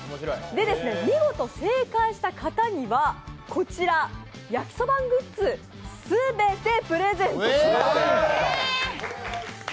見事、正解した方にはこちら、ヤキソバングッズ全てプレゼントします。